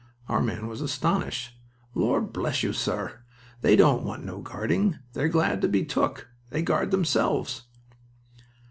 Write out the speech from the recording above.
Our man was astonished. "Lor' bless you, sir, they don't want no guarding. They're glad to be took. They guard themselves."